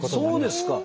そうですか！